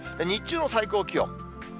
日中の最高気温。